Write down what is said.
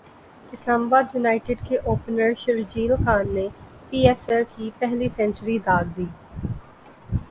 اسلام ابادیونائیٹڈ کے اوپنر شرجیل خان نے P S L کی پہلی سنچری داغ دی